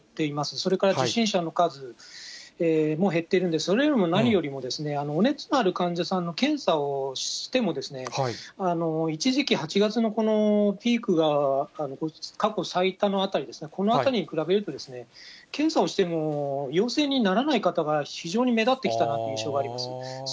それから受診者の数も減っているんで、それよりも何よりもお熱のある患者さんの検査をしても、一時期、８月のこのピークが過去最多のあたりですね、このあたりに比べると、検査をしても陽性にならない方が非常に目立ってきたなって印象があります。